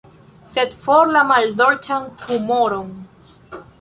Sed for la maldolĉan humuron!